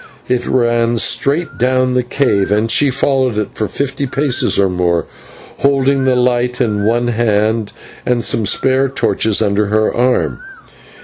It ran straight down the cave, and she followed it for fifty paces or more, holding the light in one hand, and some spare torches under her arm.